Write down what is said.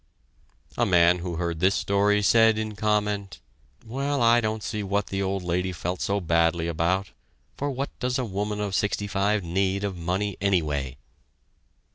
A man who heard this story said in comment: "Well, I don't see what the old lady felt so badly about, for what does a woman of sixty five need of money anyway?"